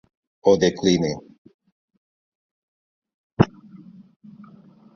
Ho decline.